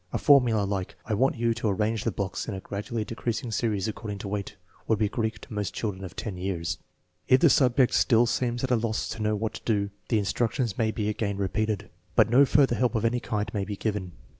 A formula like "I want you to arrange the blocks in a gradually decreasing series according to weight " would be Greek to most children of 10 years. If the subject still seems at a loss to know what to do, the instructions may be again repeated. But no further kelp of any kind may be given.